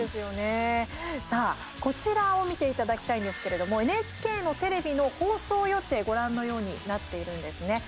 さあ、こちらを見ていただきたいんですけれどもＮＨＫのテレビの放送予定ご覧のようになっているんですね。